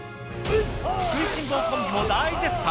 食いしん坊コンビも大絶賛。